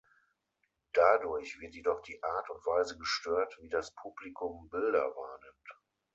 Dadurch wird jedoch die Art und Weise gestört, wie das Publikum Bilder wahrnimmt.